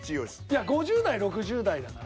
いや５０代・６０代だから。